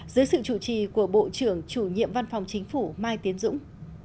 dưới sự chủ trì của bộ trưởng chủ nhiệm văn phòng chính phủ mai tiến dũng